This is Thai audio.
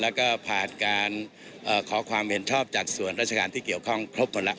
แล้วก็ผ่านการขอความเห็นชอบจากส่วนราชการที่เกี่ยวข้องครบหมดแล้ว